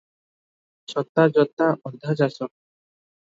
ଛତା ଯୋତା ଅଧା ଚାଷ